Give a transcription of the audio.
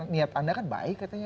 niat anda kan baik katanya